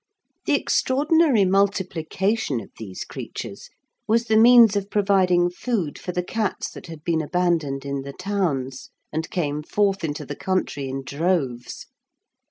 The extraordinary multiplication of these creatures was the means of providing food for the cats that had been abandoned in the towns, and came forth into the country in droves.